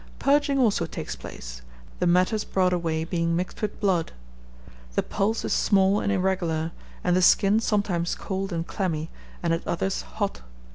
Purging also takes place, the matters brought away being mixed with blood. The pulse is small and irregular, and the skin sometimes cold and clammy, and at others hot.